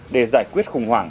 để giải quyết khủng hoảng